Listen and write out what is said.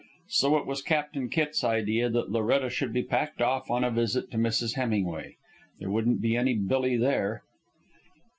So it was Captain Kitt's idea that Loretta should be packed off on a visit to Mrs. Hemingway. There wouldn't be any Billy there.